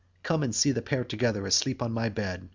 Come and see the pair together asleep on my bed.